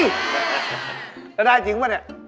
จะได้จริงป่ะนี่